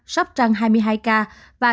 sóc trăng hai mươi hai ca